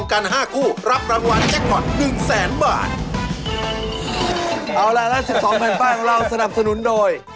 เอาล่ะ๑๒แผ่นป้ายของเราสนับสนุนโดย